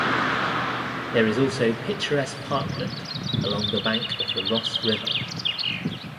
There is also picturesque parkland along the bank of the Ross River.